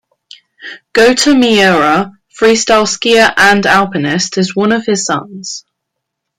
Gota Miura, freestyle skier and alpinist, is one of his sons.